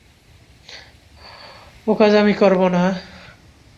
ওকাজ আমি করব না।